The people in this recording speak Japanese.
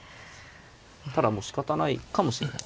ただもうしかたないかもしれない。